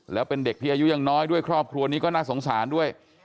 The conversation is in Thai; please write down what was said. แล้วเป็นเด็กที่อายุยังน้อยด้วยครอบครัวนี้ก็น่าสงสารด้วย